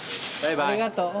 ありがとう。